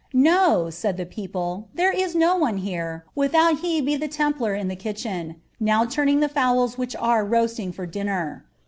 " No," said the people, " there i« no one here, without he be ilie Templar in the kitchen, Dow turning the fowlx which tn riMsiing for dinner.